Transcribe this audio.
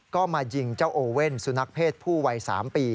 ก็มายิงเจ้าโอเว่นสุนัขเพศผู้วัย๓ปี